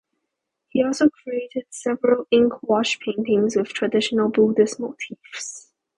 He also created several ink wash paintings with traditional Buddhist motifs.